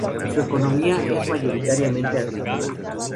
Su economía es mayoritariamente agrícola.